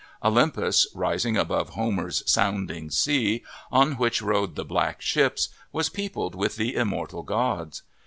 Olympus, rising above Homer's "sounding sea" on which rode the " black ships," was peopled with the immortal gods.